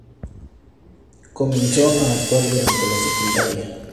Comenzó a actuar durante la secundaria.